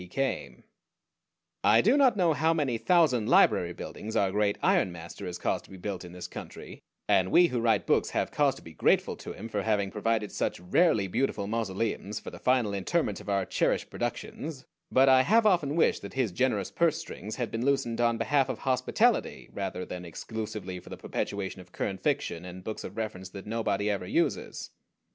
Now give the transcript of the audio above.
[Illustration: "If it were possible to sweep a room clean with a welcoming wave of the hand "] I do not know how many thousand library buildings our great Ironmaster has caused to be built in this country and we who write books have cause to be grateful to him for having provided such rarely beautiful mausoleums for the final interment of our cherished productions but I have often wished that his generous pursestrings had been loosened on behalf of hospitality, rather than exclusively for the perpetuation of current fiction and books of reference that nobody ever uses.